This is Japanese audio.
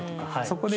そこで。